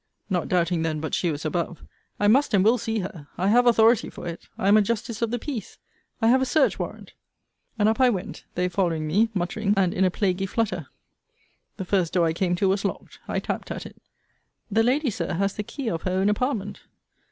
not doubting then but she was above. I must and will see her. I have authority for it. I am a justice of the peace. I have a search warrant. And up I went; they following me, muttering, and in a plaguy flutter. The first door I came to was locked. I tapped at it. The lady, Sir, has the key of her own apartment.